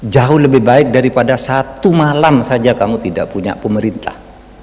jauh lebih baik daripada satu malam saja kamu tidak punya pemerintah